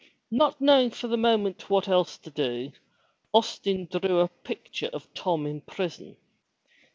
Not knowing for the moment what else to do, Austin drew a picture of Tom in prison.